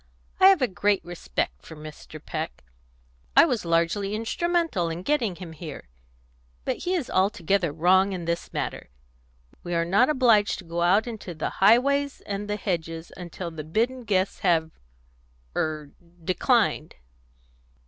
I have a great respect for Mr. Peck; I was largely instrumental in getting him here; but he is altogether wrong in this matter. We are not obliged to go out into the highways and the hedges until the bidden guests have er declined."